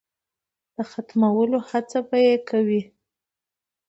د ختمولو هڅه به یې کوي.